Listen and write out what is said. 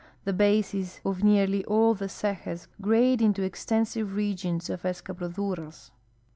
The ba.ses of nearly all the cejas grade into extensive regions of e.scabroduras.